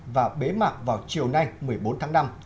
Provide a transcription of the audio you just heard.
và bế mạc vào chiều nay một mươi bốn tháng năm